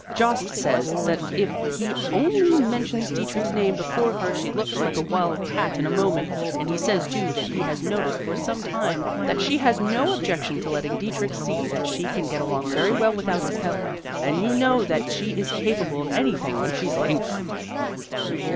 Jost says that if he only mentions Dietrich's name before her she looks like a wild cat in a moment, and he says too that he has noticed for some time, that she has no objection to letting Dietrich see that she can get along very well without his help, and you know that she is capable of anything when she's angry."